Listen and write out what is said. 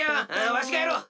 わしがやろう！